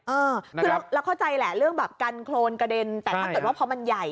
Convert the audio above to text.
เออคือเราเข้าใจแหละเรื่องแบบกันโครนกระเด็นแต่ถ้าเกิดว่าพอมันใหญ่